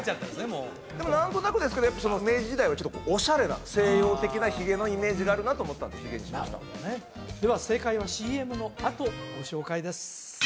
もうでも何となくですけどやっぱ明治時代はオシャレな西洋的なヒゲのイメージがあるなと思ったんでヒゲにしましたでは正解はＣＭのあとご紹介です